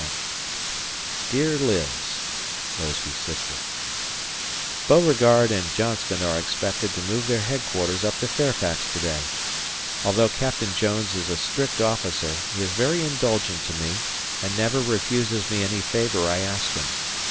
Dear Liz: [Mosby's sister] Beauregard and Johnston are expected to move their headquarters up to Fairfax to day. ... Although Captain Jones is a strict officer he is very indulgent to me and never refuses me any favor I ask him.